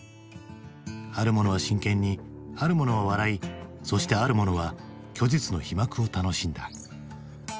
ある者は真剣にある者は笑いそしてある者は虚実の皮膜を楽しんだ。